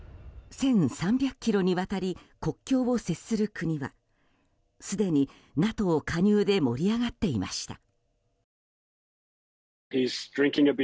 １３００ｋｍにわたり国境を接する国はすでにＮＡＴＯ加入で盛り上がっていました。